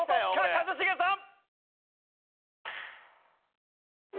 一茂さん！